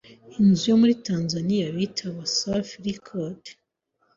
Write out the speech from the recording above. inzu yo muri Tanzaniya bita Wasafi Record